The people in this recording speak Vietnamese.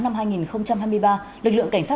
năm hai nghìn hai mươi ba lực lượng cảnh sát